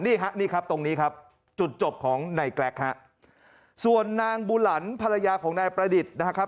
นี่ฮะนี่ครับตรงนี้ครับจุดจบของนายแกรกฮะส่วนนางบูหลันภรรยาของนายประดิษฐ์นะครับ